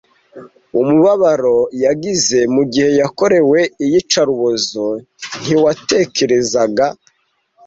Umubabaro yagize mugihe yakorewe iyicarubozo ntiwatekerezaga.